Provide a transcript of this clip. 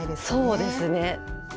そうですね。